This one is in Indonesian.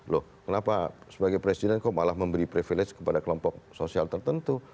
loh kenapa sebagai presiden kok malah memberi privilege kepada kelompok sosial tertentu